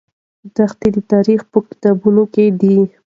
دښتې د تاریخ په کتابونو کې دي.